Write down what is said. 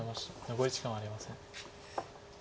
残り時間はありません。